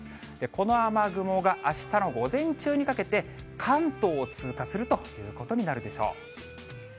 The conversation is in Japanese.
この雨雲があしたの午前中にかけて、関東を通過するということになるでしょう。